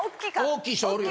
大きい人おるよね。